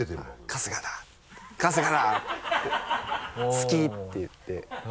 「好き」って言って。